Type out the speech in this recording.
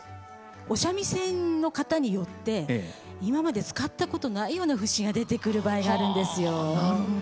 お三味線の方によって今まで使ったことないような節が出てくる場合があるんですよ。はなるほど！